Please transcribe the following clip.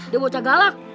dia bocah galak